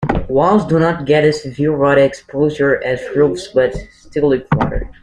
Walls do not get as severe water exposure as roofs but still leak water.